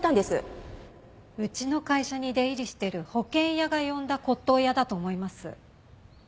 うちの会社に出入りしてる保険屋が呼んだ骨董屋だと思います。